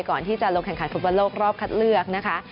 ก่อนที่จะลงแข่งทุกประโลกรอบคัดเลือกนะคะ